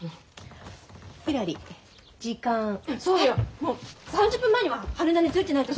もう３０分前には羽田に着いてないとさ。